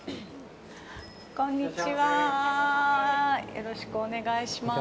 よろしくお願いします。